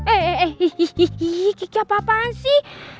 eh kiki apa apaan sih